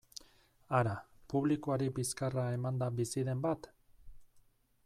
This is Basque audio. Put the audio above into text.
Hara, publikoari bizkarra emanda bizi den bat?